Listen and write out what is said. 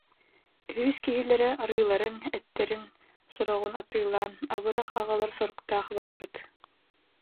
Үһүс киһилэрэ арыыларын, эттэрин сороҕун атыылаан «абырах» аҕалар соруктаах барбыт